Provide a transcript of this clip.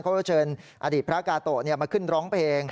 เชิญอดีตพระกาโตะมาขึ้นร้องเพลง